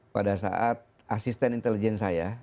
pada saat asisten intelijen saya